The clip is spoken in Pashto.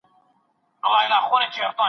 بېله ما به نه مستي وي نه به جام او نه شراب